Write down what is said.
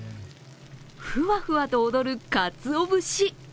ふわふわと踊るかつお節。